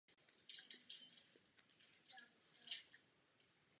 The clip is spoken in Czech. Objekt je v důsledku zanedbání údržby v havarijním stavu.